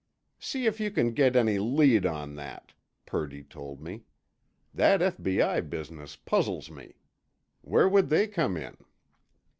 "See if you can get any lead on that," Purdy told me. "That F.B.I. business puzzles me. Where would they come in?"